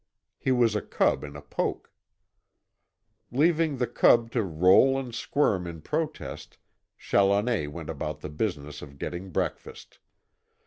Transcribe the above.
He was a cub in a poke. Leaving the cub to roll and squirm in protest Challoner went about the business of getting breakfast.